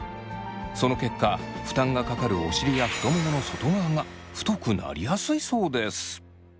その結果負担がかかるお尻や太ももの外側が太くなりやすいそうです。